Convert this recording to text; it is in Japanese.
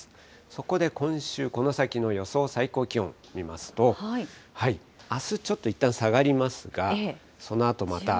そこで今週、この先の予想最高気温見ますと、あす、ちょっといったん下がりますが、そのあとまた。